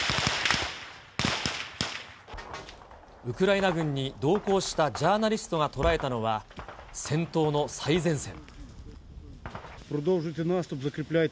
ウクライナ軍に同行したジャーナリストが捉えたのは、戦闘の最前線。